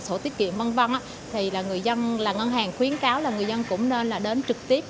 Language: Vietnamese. sổ tiết kiệm v v thì là người dân là ngân hàng khuyến cáo là người dân cũng nên đến trực tiếp